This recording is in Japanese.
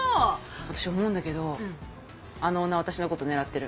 私思うんだけどあのオーナー私のこと狙ってる。